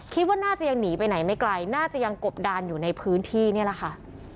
คิดว่าน่าจะยังหนีไปไหนไม่ไกลน่าจะยังกบดานอยู่ในพื้นที่นี่แหละค่ะ